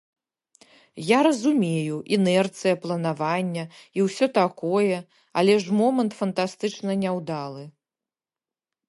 Я разумею, інерцыя планавання і ўсё такое, але ж момант фантастычна няўдалы.